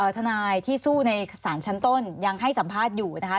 ทนายที่สู้ในสารชั้นต้นยังให้สัมภาษณ์อยู่นะคะ